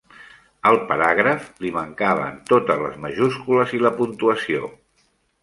Al paràgraf li mancaven totes les majúscules i la puntuació.